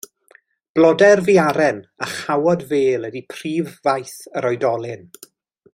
Blodau'r fiaren a chawod fêl ydy prif faeth yr oedolyn.